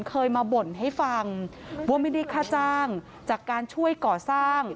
เคยมาบ่นให้ฟังว่าไม่ได้ค่าจ้างจากการช่วยก่อสร้าง